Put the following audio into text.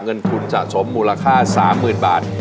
เงินทุนสะสมมูลค่า๓๐๐๐บาท